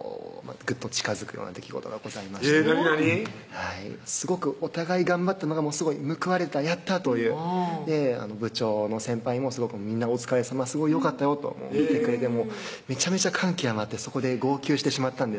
はいすごくお互い頑張ったのが報われたやった！という部長の先輩も「みんなお疲れさますごいよかったよ」と言ってくれてめちゃめちゃ感極まってそこで号泣してしまったんです